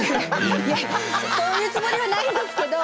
いやそういうつもりはないんですけど。